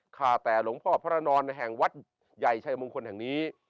ค่ะแต่หลวงพ่อพระนอนแห่งวัดใหญ่ชัยมงคลแห่งนี้